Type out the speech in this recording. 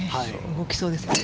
動きそうですね。